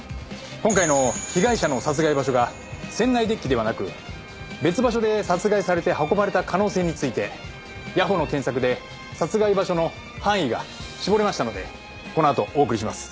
今回の被害者の殺害場所が船内デッキではなく別場所で殺害されて運ばれた可能性について谷保の検索で殺害場所の範囲が絞れましたのでこのあとお送りします。